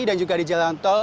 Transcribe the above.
dan juga di jalan tol